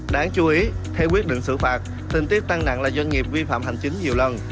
đáng chú ý theo quyết định xử phạt tình tiết tăng nặng là doanh nghiệp vi phạm hành chính nhiều lần